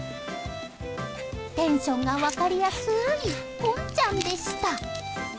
テンションが分かりやすいこんちゃんでした。